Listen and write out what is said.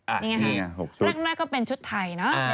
อันแรกก็เป็นชุดไทยนะ